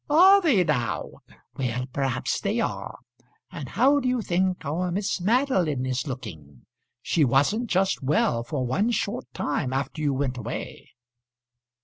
"Are they now? Well perhaps they are. And how do you think our Miss Madeline is looking? She wasn't just well for one short time after you went away."